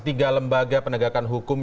tiga lembaga penegakan hukum